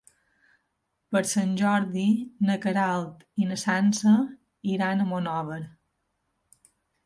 Per Sant Jordi na Queralt i na Sança iran a Monòver.